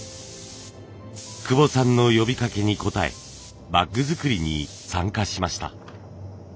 久保さんの呼びかけに応えバッグ作りに参加しました。